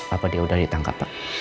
apa dia sudah ditangkap pak